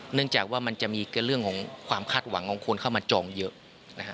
เนื่องจากว่ามันจะมีเรื่องของความคาดหวังของคนเข้ามาจองเยอะนะฮะ